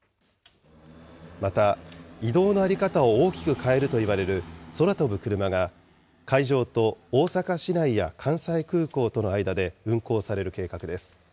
また、移動の在り方を大きく変えるといわれる、空飛ぶクルマが、会場と大阪市内や関西空港との間で運航される計画です。